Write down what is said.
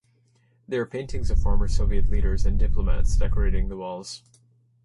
There are paintings of former Soviet leaders and diplomats decorating the walls.